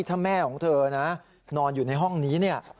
ถ้าแม่ของเธอนะนอนอยู่ในห้องนี้เนี่ย